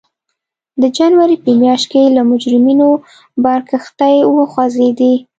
د جنورۍ په میاشت کې له مجرمینو بار کښتۍ وخوځېدې.